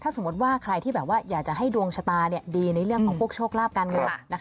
สมมติว่าใครที่แบบว่าอยากจะให้ดวงชะตาดีในเรื่องของพวกโชคลาภการเงิน